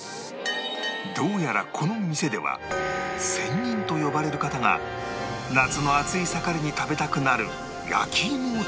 どうやらこの店では仙人と呼ばれる方が夏の暑い盛りに食べたくなる焼き芋を作っているという